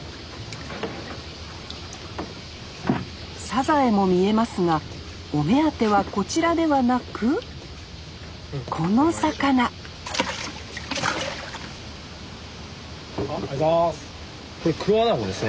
サザエも見えますがお目当てはこちらではなくこの魚ありがとうございます。